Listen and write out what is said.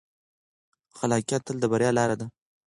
خلاقیت تل د بریا لاره ده.